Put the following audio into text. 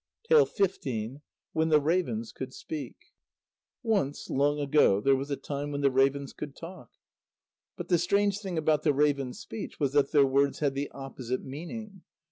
WHEN THE RAVENS COULD SPEAK Once, long ago, there was a time when the ravens could talk. But the strange thing about the ravens' speech was that their words had the opposite meaning.